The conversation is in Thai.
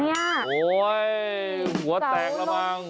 โอ้ยหัวแตกแล้วมั้ง